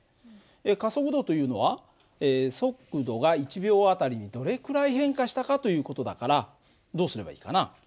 加速度というのは速度が１秒あたりにどれくらい変化したかという事だからどうすればいいかな？